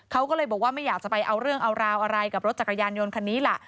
เขาก็เลยบอกว่าไม่อยากจะไปเอาเรื่องเอาราวอะไรกับรถจักรยานยนต์คันนี้ล่ะ